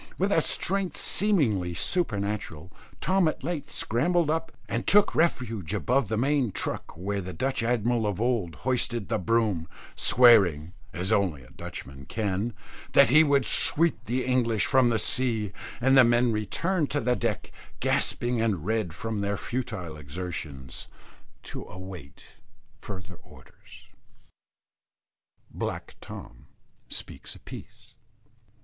With a strength seemingly supernatural, Tom at length scrambled up, and took refuge above the main truck where the Dutch Admiral of old hoisted the broom, swearing, as only Dutchmen can, that he would sweep the English from the sea; and the men returned to the deck, gasping and red from their futile exertions, to await further orders. BLACK TOM SPEAKS A PIECE.